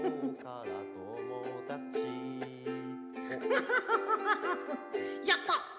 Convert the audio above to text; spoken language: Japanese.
フフフフフやった。